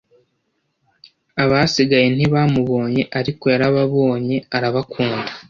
Abasigaye ntibamubonye, ariko yarababonye arabakunda.